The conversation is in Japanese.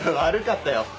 悪かったよ。